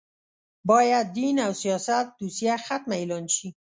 باید دین او سیاست دوسیه ختمه اعلان شي